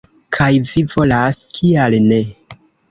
Kaj vi volas, kial ne?